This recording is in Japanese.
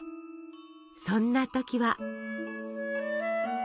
そんな時は。